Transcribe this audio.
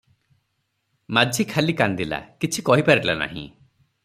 ମାଝି ଖାଲି କାନ୍ଦିଲା, କିଛି କହି ପାରିଲା ନାହିଁ ।